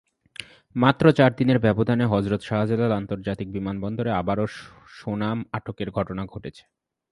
মাত্র চার দিনের ব্যবধানে হজরত শাহজালাল আন্তর্জাতিক বিমানবন্দরে আবারও সোনা আটকের ঘটনা ঘটেছে।